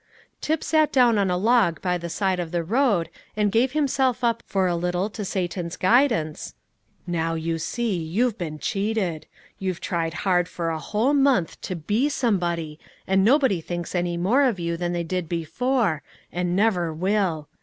Tip sat down on a log by the side of the road, and gave himself up for a little to Satan's guidance, and the wicked voice went on, "Now, you see, you've been cheated. You've tried hard for a whole month to be somebody, and no one thinks any more of you than they did before, and never will.